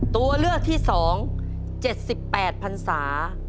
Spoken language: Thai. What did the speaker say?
ตัวเลือกที่๒๗๘พันศา